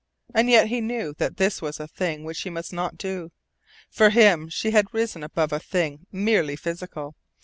And yet he knew that this was a thing which he must not do. For him she had risen above a thing merely physical.